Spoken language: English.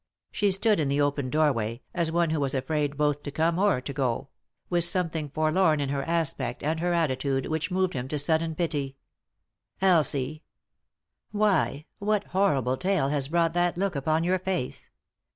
She stood in the open door way, as one who was afraid both to come or to go ; with something forlorn in her aspect and her attitude which moved him to sudden pity. " Elsie 1 Why, what horrible tale has brought that look upon your face